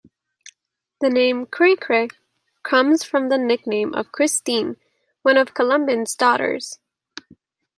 The name "Cri-Cri" comes from the nickname of Christine, one of Colomban's daughters.